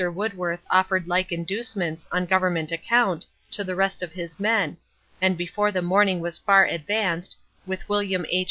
Woodworth offered like inducements, on Government account, to the rest of his men, and before the morning was far advanced, with William H.